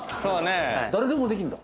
誰でもできんだ！